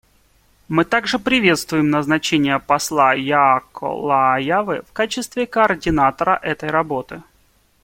Мы также приветствуем назначение посла Яакко Лааявы в качестве координатора этой работы.